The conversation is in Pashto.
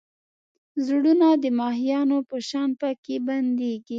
زړونه د ماهیانو په شان پکې بندېږي.